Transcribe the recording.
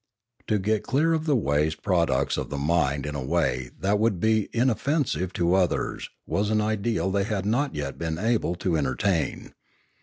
To get clear of the waste pro ducts of the mind in a way that would be inoffensive to others was an ideal they had not yet been able to enter tain.